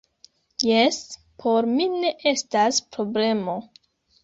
Jes, por mi ne estas problemo